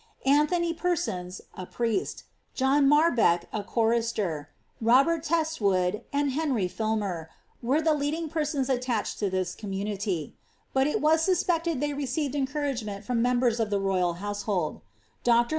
Antli sons^ a priest, John Marbeck, a chorister, Robert Test wood, u Filmer, were the leading persons attached to this communit; was suspected that they received encouragement from membc royal household. Dr.